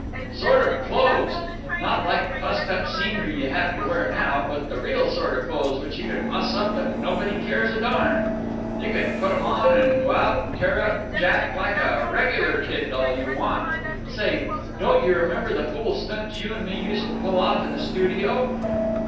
"Sort of clothes. Not like the fussed up scenery you have to wear now, but the real sort of clothes which you can muss up and nobody cares a darn. You can put 'em on and go out and tear up Jack like a regular kid all you want. Say, don't you remember the fool stunts you and me used to pull off in the studio?"